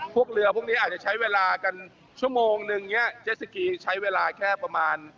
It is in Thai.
พวกเรือพวกนี้อาจจะใช้เวลากันชั่วโมงนึงเนี่ยเจสสกีใช้เวลาแค่ประมาณ